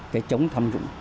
cái chống thâm vấn